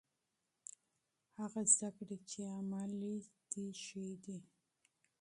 هغه درس چې عملي دی ښه دی.